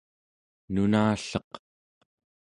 nunalleq